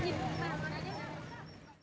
hẹn gặp lại các bạn trong những video tiếp theo